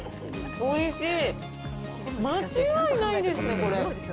おいしい、間違いないですね、これ。